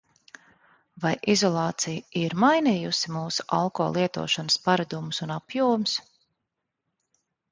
Vai izolācija ir mainījusi mūsu alko lietošanas paradumus un apjomus?